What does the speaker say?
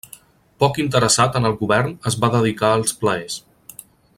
Poc interessat en el govern es va dedicar als plaers.